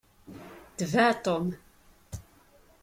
Tbeɛ Tom!